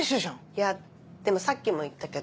いやでもさっきも言ったけど